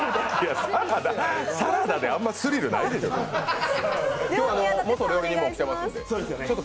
サラダであんまりスリルないでしょ。